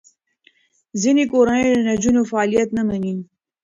ځینې کورنۍ د نجونو فعالیت نه مني.